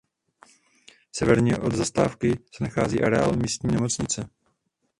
Severně od zastávky se nachází areál místní nemocnice.